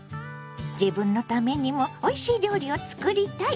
自分のためにもおいしい料理を作りたい！